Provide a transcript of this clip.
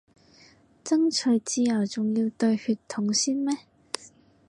爭取自由仲要對血統先咩